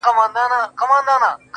د پيغورونو په مالت کي بې ريا ياري ده.